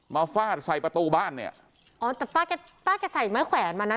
ฟาดใส่ประตูบ้านเนี่ยอ๋อแต่ป้าแกป้าแกใส่ไม้แขวนมานะ